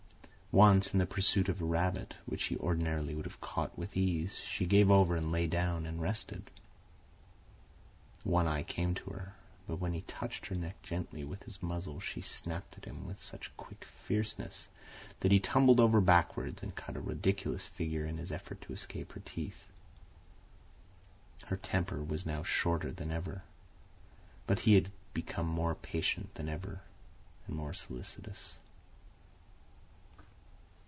Once, in the pursuit of a rabbit, which she ordinarily would have caught with ease, she gave over and lay down and rested. One Eye came to her; but when he touched her neck gently with his muzzle she snapped at him with such quick fierceness that he tumbled over backward and cut a ridiculous figure in his effort to escape her teeth. Her temper was now shorter than ever; but he had become more patient than ever and more solicitous.